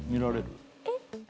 えっ？